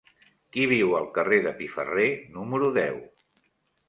Qui viu al carrer de Piferrer número deu?